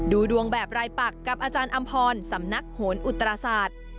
ดูดวงแบบรายปักกับอาจารย์อำพรสำนักโหนอุตราศาสตร์